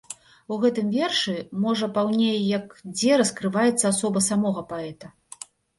У гэтым вершы, можа, паўней як дзе раскрываецца асоба самога паэта.